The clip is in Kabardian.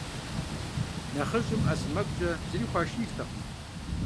Нэхъыжьым Ӏэ сэмэгукӀэ зыри хуашийртэкъым.